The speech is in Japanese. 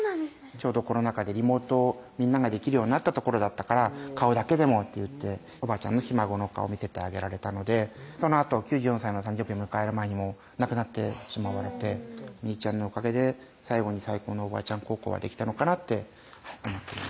ちょうどコロナ禍でリモートみんなができるようになったところだったから「顔だけでも」って言っておばあちゃんにひ孫の顔見せてあげられたのでそのあと９４歳の誕生日迎える前にもう亡くなってしまわれてみーちゃんのおかげで最後に最高のおばあちゃん孝行ができたのかなって思っています